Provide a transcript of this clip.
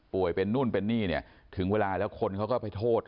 เป็นนู่นเป็นนี่เนี่ยถึงเวลาแล้วคนเขาก็ไปโทษ